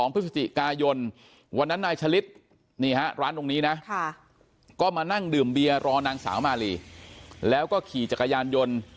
พฤศจิกายนวันนั้นนายฉลิดนี่ฮะร้านตรงนี้นะก็มานั่งดื่มเบียร์รอนางสาวมาลีแล้วก็ขี่จักรยานยนต์